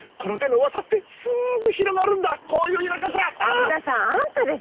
虻田さんあんたでしょ